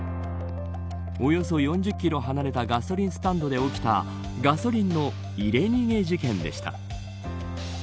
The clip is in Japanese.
およそ４０キロ離れたガソリンスタンドで起きたガソリンの入れ逃げ事件でした。